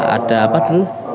ada apa dulu